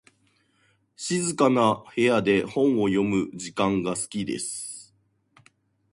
静かな部屋で本を読む時間が好きです。